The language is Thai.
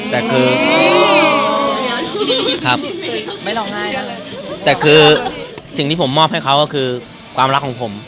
แต่คือสิ่งที่ผมมอบให้เค้าก็คือความรักของผม